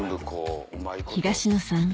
東野さん